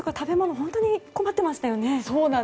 本当に困ってましたよね。